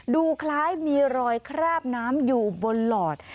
ดูคล้ายมีรอยคราบน้ำอยู่บนหลอด